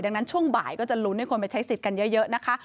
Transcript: ดังนั้นช่วงบ่ายก็จะลุ้นให้คนไปใช้สิทธิ์กันเยอะนะคะ